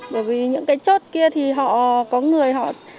bởi vì những cái chốt kia thì họ có người họ